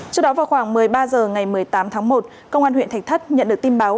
trước đó vào khoảng một mươi ba h ngày một mươi tám tháng một công an huyện thạch thất nhận được tin báo